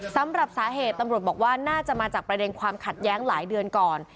สำหรับสาเหตุตำรวจบอกว่าน่าจะมาจากประเด็นความขัดแย้งหลายเดือนก่อน